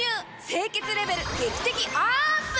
清潔レベル劇的アップ！